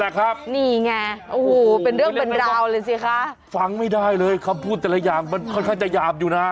เออนี่ไงโอ้โฮเป็นเรื่องเป็นราวเลยสิคะคำพูดแต่ละอย่างมันค่อนข้างจะหยาบอยู่นะ